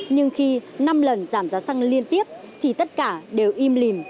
nhưng khi năm lần giảm giá xăng liên tiếp thì tất cả đều im lìm